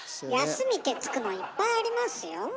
「休み」って付くのいっぱいありますよ。